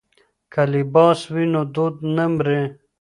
که لباس وي نو دود نه مري.